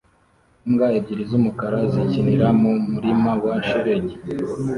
Imbwa ebyiri z'umukara zikinira mu murima wa shelegi